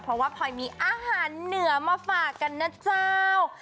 เพราะว่าพลอยมีอาหารเหนือมาฝากกันนะเจ้า